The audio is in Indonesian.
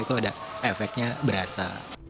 itu ada efeknya berasa